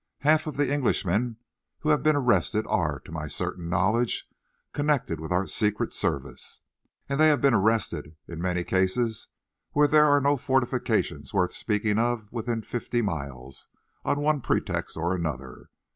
Half of the Englishmen who have been arrested are, to my certain knowledge, connected with our Secret Service, and they have been arrested, in many cases, where there are no fortifications worth speaking of within fifty miles, on one pretext or another.